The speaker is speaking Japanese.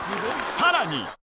さらに。